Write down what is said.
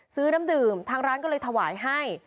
น้ำดื่มทางร้านก็เลยถวายให้